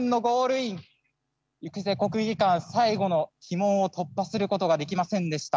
イクゼコクギカン最後の鬼門を突破することができませんでした。